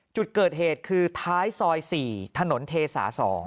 จุดเกิดเหตุคือท้ายซอย๔ถนนเทสา๒